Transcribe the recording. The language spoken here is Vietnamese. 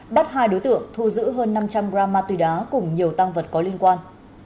bắt hai đối tượng thu giữ hơn năm trăm linh gram ma túy đá cùng nhiều tăng vật có liên quan